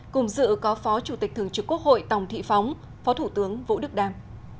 cùng dự có phó chủ tịch thường trực quốc hội tòng thị phóng phó thủ tướng vũ đức đam